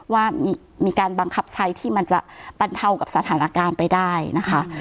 ว่ามีการบังคับใช้ที่มันจะบรรเทากับสถานการณ์ไปได้นะคะ